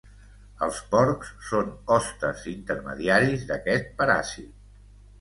Els porcs són hostes intermediaris d'aquest paràsit.